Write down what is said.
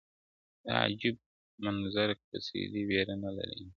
دا عجیب منظرکسي ده، وېره نه لري امامه,